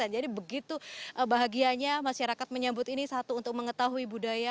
jadi begitu bahagianya masyarakat menyebut ini satu untuk mengetahui budaya